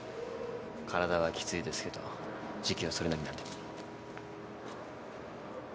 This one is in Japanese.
体はきついですけど時給はそれなりなんで。